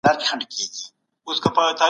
لويې جرګي به د بيان ازادي خوندي کړي وي.